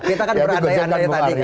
kita kan berandai andai tadi